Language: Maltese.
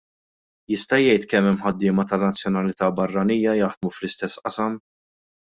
Jista' jgħid kemm hemm ħaddiema ta' nazzjonalità barranija jaħdmu fl-istess qasam?